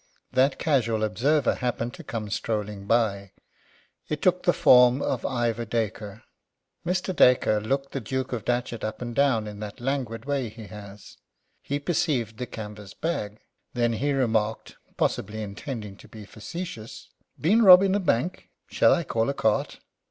That casual observer happened to come strolling by. It took the form of Ivor Dacre. Mr. Dacre looked the Duke of Datchet up and down in that languid way he has. He perceived the canvas bag. Then he remarked, possibly intending to be facetious: "Been robbing the bank? Shall I call a cart?"